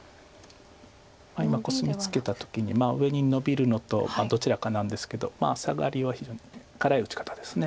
今コスミツケた時に上にノビるのとどちらかなんですけどサガリは非常に辛い打ち方です。